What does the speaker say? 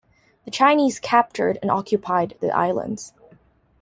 The Chinese captured and occupied the islands.